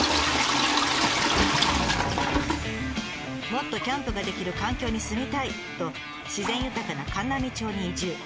もっとキャンプができる環境に住みたいと自然豊かな函南町に移住。